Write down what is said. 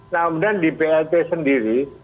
nah kemudian di blt sendiri